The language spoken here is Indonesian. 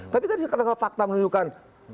tapi tadi saya kena ke fakta menunjukkan